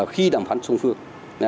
khi đàm phán song phương